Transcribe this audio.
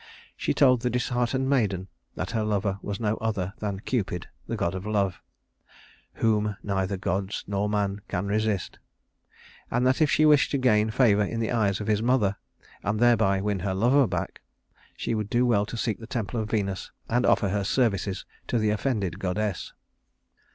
She told the disheartened maiden that her lover was no other than Cupid, the god of Love, "whom neither gods nor man can resist," and that if she wished to gain favor in the eyes of his mother, and thereby win her lover back, she would do well to seek the temple of Venus and offer her services to the offended goddess.